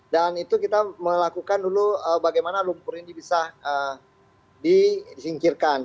dan itu kita melakukan dulu bagaimana lumpur ini bisa disingkirkan